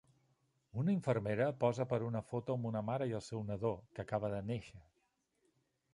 Una infermera posa per a una foto amb una mare i el seu nadó, que acaba de néixer.